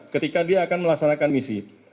ketika dia akan melaksanakan misi